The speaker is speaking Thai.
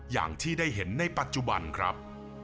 อย่างที่ได้เห็นในปัจจุบันครับ